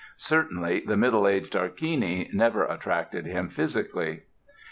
Certainly the middle aged Tarquini never attracted him physically.